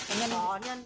trong gà có nhân mò nhân